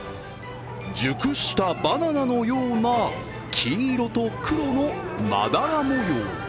熟したバナナのような黄色と黒のまだら模様。